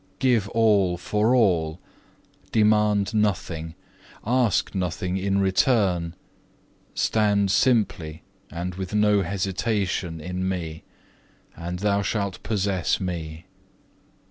Give all for all; demand nothing, ask nothing in return; stand simply and with no hesitation in Me, and thou shalt possess Me.